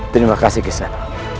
terima kasih kisan